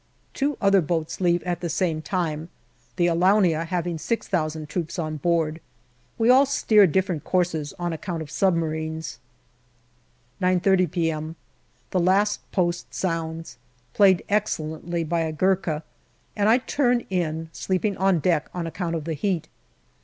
Two other boats leave at the same time, the Alaunia having 6,000 troops on board. We all steer different courses on account of submarines. 9.30 p.m. The last 'post sounds, played excellently by a Gurkha, and I turn in, sleeping on deck on account of the heat.